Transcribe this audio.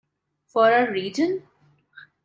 For our region?